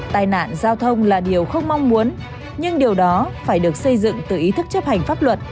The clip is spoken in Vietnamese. tài nạn giao thông là điều không mong muốn nhưng điều đó phải được xây dựng từ ý thức chấp hành pháp luật